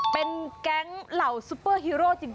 เป็นแก๊งเหล่าซุปเปอร์ฮีโร่จริง